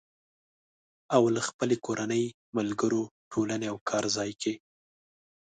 او له خپلې کورنۍ، ملګرو، ټولنې او کار ځای کې